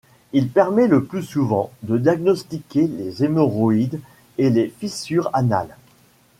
Il permet le plus souvent de diagnostiquer les hémorroïdes et les fissures anales.